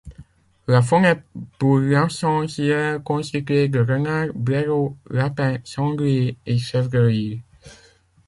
La faune est pour l'essentiel constituée de renards, blaireaux, lapins, sangliers et chevreuils.